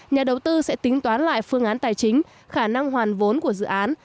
nhà đầu tư sẽ tính toán lại phương án tài chính khả năng hoàn vốn của dự án